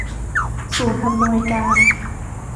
ศูนย์อำนวยการ